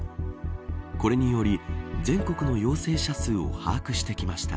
これにより全国の陽性者数を把握してきました。